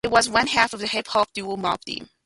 He was one half of the hip-hop duo Mobb Deep.